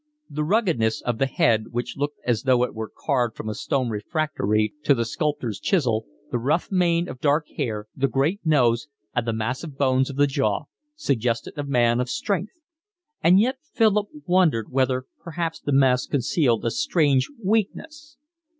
The ruggedness of the head, which looked as though it were carved from a stone refractory to the sculptor's chisel, the rough mane of dark hair, the great nose, and the massive bones of the jaw, suggested a man of strength; and yet Philip wondered whether perhaps the mask concealed a strange weakness.